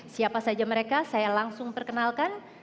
siapa saja mereka saya langsung perkenalkan